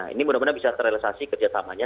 ini mudah mudahan bisa terrealisasi kerjasamanya